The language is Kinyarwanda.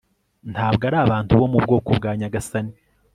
Ntabwo ari abantu bo mu bwoko bwa nyagasani